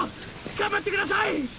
頑張ってください！